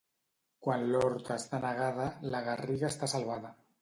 Quan l'horta està negada, la garriga està salvada.